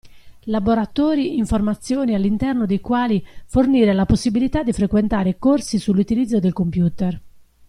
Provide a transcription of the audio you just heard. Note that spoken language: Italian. Laboratori informazioni all'interno dei quali fornire la possibilità di frequentare corsi sull'utilizzo del computer.